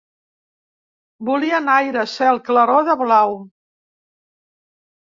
Volien aire, cel, claror de blau